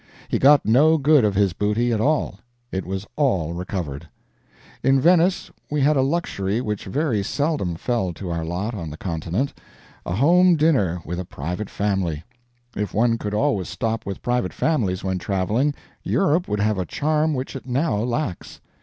He got no good of his booty at all it was ALL recovered. In Venice we had a luxury which very seldom fell to our lot on the continent a home dinner with a private family. If one could always stop with private families, when traveling, Europe would have a charm which it now lacks.